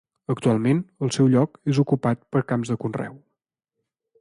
Actualment el seu lloc és ocupat per camps de conreu.